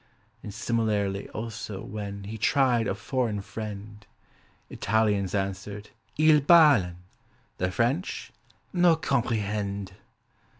And, similarly, also, when He tried a foreign friend; Italians answered, "Il balen" The French, "No comprehend."